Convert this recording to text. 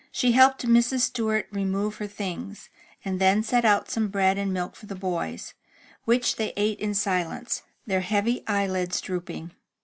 She helped Mrs. Stewart remove her things, and then set out some bread and milk for the boys, which they ate in silence, their heavy eyelids drooping.